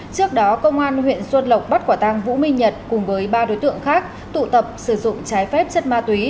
trước đó công an huyện xuân lộc bắt quả tăng vũ minh nhật cùng với ba đối tượng khác tụ tập sử dụng trái phép chất ma túy